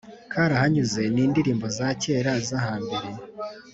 Karahanyuze nindirimbo zacyera zahambere